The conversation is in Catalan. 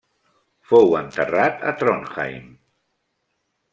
Fou enterrat a Trondheim.